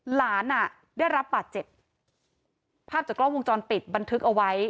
หลานอ่ะได้รับบาดเจ็บภาพจากกล้องวงจรปิดบันทึกเอาไว้